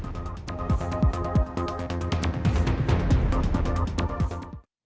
dan untuk membahas perkembangan ekonomi terkini dan proyeksi ke depannya